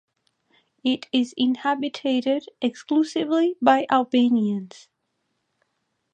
It is inhabited exclusively by Albanians.